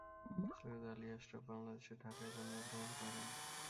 সৈয়দ আলী আশরাফ বাংলাদেশের ঢাকায় জন্মগ্রহণ করেন।